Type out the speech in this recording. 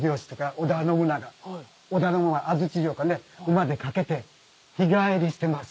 織田信長は安土城から馬で駆けて日帰りしてます。